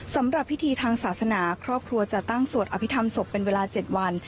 สำหรับพิธีทางศาสนาครอบครัวจะตั้งสวดอภิษฐรรมศพเป็นเวลา๗วัน